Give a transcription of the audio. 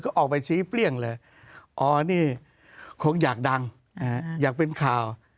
ก็ออกไปชี้เปรี้ยงเลยอ๋อนี่คงอยากดังอยากเป็นข่าว